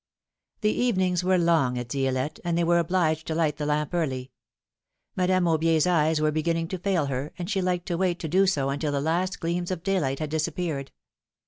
T he evenings were long at Di^lette, and they were obliged to light the lamp early. Madame AubiePs eyes were beginning to fail her, and she liked to wait to do so until the last gleams of daylight had disappeared.